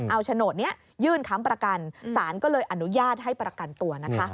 เอาโฉนดนี้ยื่นค้ำประกันศาลก็เลยอนุญาตให้ประกันตัวนะคะ